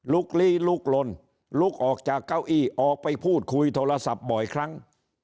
ลีลุกลนลุกออกจากเก้าอี้ออกไปพูดคุยโทรศัพท์บ่อยครั้ง